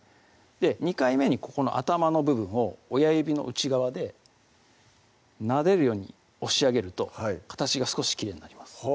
２回目にここの頭の部分を親指の内側でなでるように押し上げると形が少しきれいになります